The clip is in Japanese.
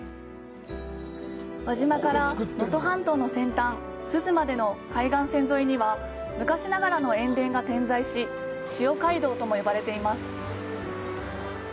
輪島から能登半島の先端・珠洲までの海岸線沿いには昔ながらの塩田が点在し、「塩街道」と呼ばれています。